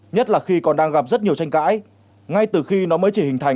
nhất là khi còn đang gặp rất nhiều tranh cãi ngay từ khi nó mới chỉ hình thành ở trên giấy